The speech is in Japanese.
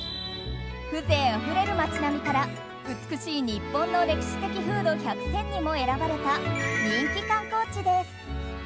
風情あふれる街並みから美しい日本の歴史的風土１００選にも選ばれた人気観光地です。